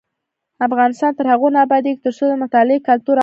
افغانستان تر هغو نه ابادیږي، ترڅو د مطالعې کلتور عام نشي.